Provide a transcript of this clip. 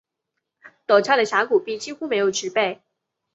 陡峭的峡谷壁几乎没有植被。